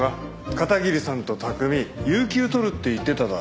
片桐さんと拓海有休取るって言ってただろ。